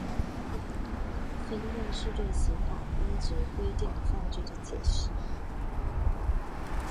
分论是对刑法分则规定的犯罪的解析。